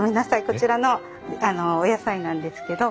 こちらのお野菜なんですけど。